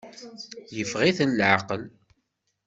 Yeffeɣ-iten leɛqel.